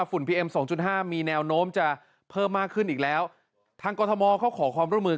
พีเอ็มสองจุดห้ามีแนวโน้มจะเพิ่มมากขึ้นอีกแล้วทางกรทมเขาขอความร่วมมือ